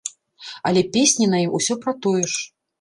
Але песні на ім усё пра тое ж!